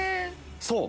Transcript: そう！